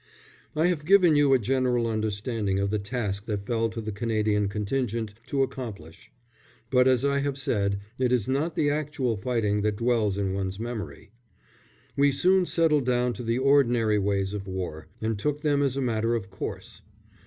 I have given you a general understanding of the task that fell to the Canadian Contingent to accomplish; but as I have said, it is not the actual fighting that dwells in one's memory. We soon settled down to the ordinary ways of war, and took them as a matter of course.